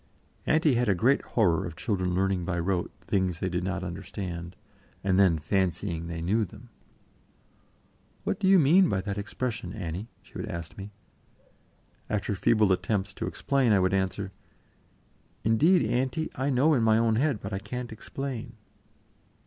Auntie had a great horror of children learning by rote things they did not understand, and then fancying they knew them. "What do you mean by that expression, Annie?" she would ask me. After feeble attempts to explain, I would answer: "Indeed, Auntie, I know in my own head, but I can't explain."